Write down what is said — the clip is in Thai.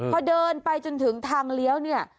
พอเดินไปจนถึงทางเลี้ยวเนี่ย